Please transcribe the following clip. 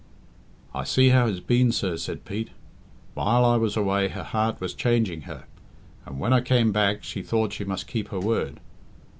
"I see how it's been, sir," said Pete. "While I was away her heart was changing her, and when I came back she thought she must keep her word.